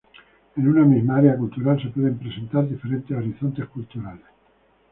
En una misma área cultural se pueden presentar diferentes horizontes culturales.